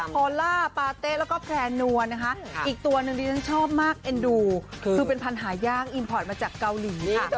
โฮล่าปาเต้แล้วก็แผ่นนวลอีกตัวหนึ่งดิฉันชอบมากเป็นพันธุ์หาย่างอินพอร์ตมาจากเกาหลี